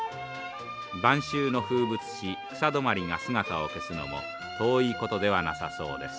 晩秋の風物詩草泊まりが姿を消すのも遠いことではなさそうです。